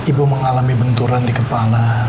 ibu mengalami benturan di kepala